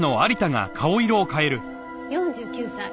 ４９歳。